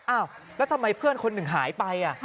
อ้าวแล้วทำไมเพื่อนคนหนึ่งหายไป